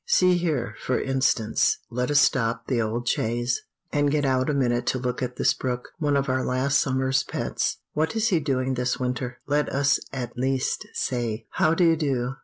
See here, for instance let us stop the old chaise, and get out a minute to look at this brook one of our last summer's pets. What is he doing this winter? Let us at least say, "How do you do?"